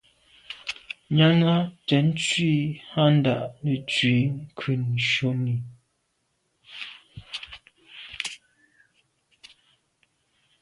Náná cɛ̌d tswî á ndǎ’ nə̀ tswì ŋkʉ̀n shúnī.